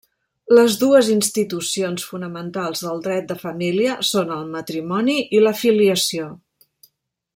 Les dues institucions fonamentals del dret de família són el matrimoni i la filiació.